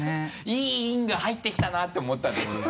いい陰が入ってきたなって思ったわけですね？